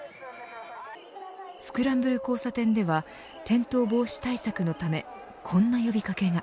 スクランブル交差点では転倒防止対策のためこんな呼び掛けが。